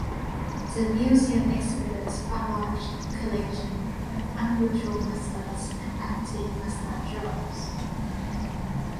The museum exhibits a large collection of unusual mustards and antique mustard jars.